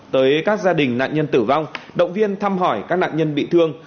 tới các gia đình nạn nhân tử vong động viên thăm hỏi các nạn nhân bị thương